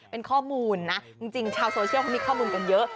เป็นข้อมูลนะจริงชาวโซเชียลเขามีข้อมูลกันเยอะ